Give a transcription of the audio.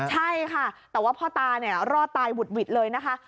ใช่ค่ะแต่ว่าพ่อตาเนี่ยรอดตายหุดหวิดเลยนะคะ